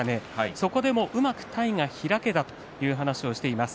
そこでもうまく体が開けたという話をしています。